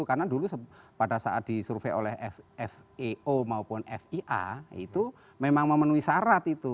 karena dulu pada saat disurvei oleh feo maupun fia itu memang memenuhi syarat itu